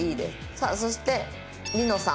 さあそして璃乃さん。